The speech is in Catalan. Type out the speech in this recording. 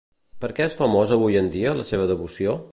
Per què és famós avui en dia la seva devoció?